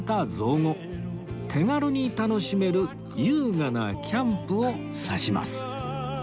手軽に楽しめる優雅なキャンプを指します